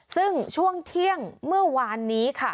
ซึ่งช่วงเที่ยงเมื่อวานนี้ค่ะ